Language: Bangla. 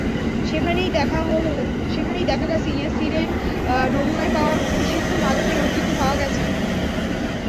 সেখানেই দেখা গেছে ইয়াসিরের নমুনায় পাওয়া নিষিদ্ধ মাদকের অস্তিত্ব পাওয়া গেছে।